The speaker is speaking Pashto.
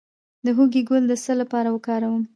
د هوږې ګل د څه لپاره وکاروم؟